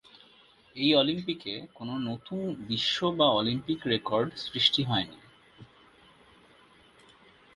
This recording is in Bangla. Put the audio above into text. এই অলিম্পিকে কোনো নতুন বিশ্ব বা অলিম্পিক রেকর্ড সৃষ্টি হয়নি।